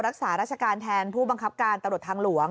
รักษาราชการแทนผู้บังคับการตำรวจทางหลวง